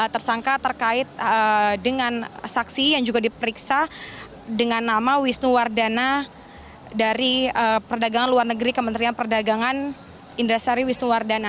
tersangka terkait dengan saksi yang juga diperiksa dengan nama wisnuwardana dari perdagangan luar negeri kementerian perdagangan indrasari wisnuwardana